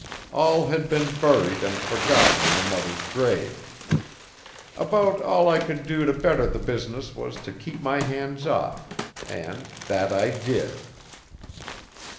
All had been buried and forgotten in the mother's grave. About all I could do to better the business was to keep my hands off; and that I did!"